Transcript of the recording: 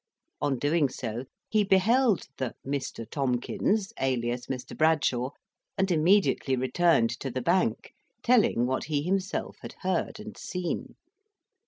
On doing so, he beheld the Mr. Tomkins, alias Mr. Bradshaw, and immediately returned to the Bank, telling what he himself had heard and seen.